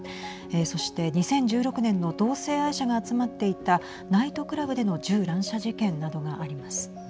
そして、２０１６年の同性愛者が集まっていたナイトクラブでの銃乱射事件などがあります。